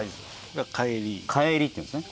「かえり」っていうんですね